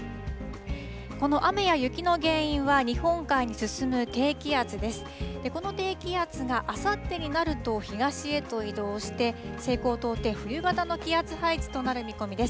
この雨や雪の原因は、日本海に進む低気圧です。